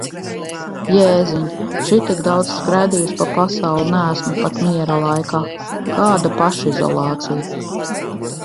Jēziņ, šitik daudz skraidījusi pa pasauli neesmu pat miera laikā. Kāda pašizolācija?